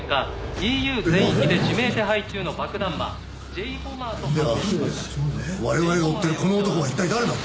ＥＵ全域で指名手配中の爆弾魔Ｊ・ボマーと判明しました」では我々が追ってるこの男は一体誰なんだ？